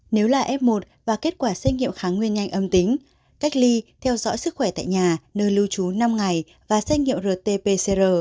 nếu là f một và kết quả xét nghiệm kháng nguyên nhanh âm tính cách ly theo dõi sức khỏe tại nhà nơi lưu trú năm ngày và xét nghiệm rt pcr